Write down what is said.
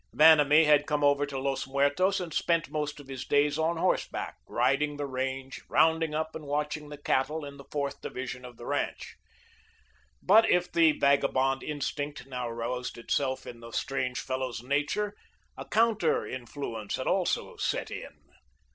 Vanamee had come over to Los Muertos and spent most of his days on horseback, riding the range, rounding up and watching the cattle in the fourth division of the ranch. But if the vagabond instinct now roused itself in the strange fellow's nature, a counter influence had also set in.